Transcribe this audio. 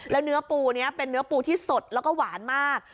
แล้วเนื้อปูนี้เป็นเนื้อปูที่สดแล้วก็หวานมาก